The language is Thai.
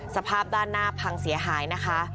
สภาพด้านหน้าพังเสียหายนะคะ